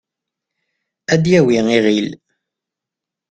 ad yawi iɣil